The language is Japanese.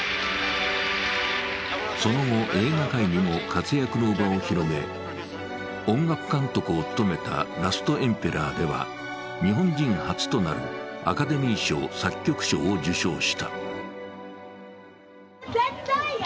その後、映画界にも活躍の場を広げ、音楽監督を務めた「ラスト・エンペラー」では日本人初となるアカデミー賞作曲賞を受賞した。